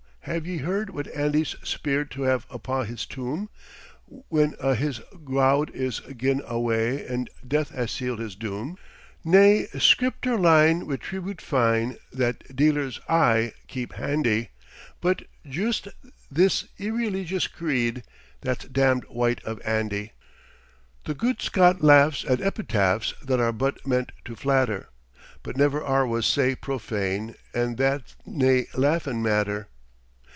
hae ye heared what Andy's spiered to hae upo' his tomb, When a' his gowd is gie'n awa an' Death has sealed his doom! Nae Scriptur' line wi' tribute fine that dealers aye keep handy, But juist this irreleegious screed "That's damned white of Andy!" The gude Scot laughs at epitaphs that are but meant to flatter, But never are was sae profane, an' that's nae laughin' matter.